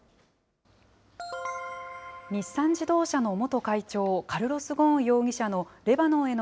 日産自動車の元会長、カルロス・ゴーン容疑者のレバノンへの